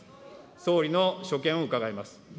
総理の所見を伺います。